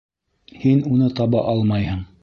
Һин уны таба алмайһың!